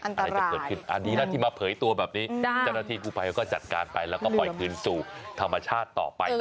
อันตรายอันนี้นะที่มาเผยตัวแบบนี้จริงอุไพยก็จัดการไปแล้วก็ปล่อยคืนสู่ธรรมชาติต่อไปนะครับ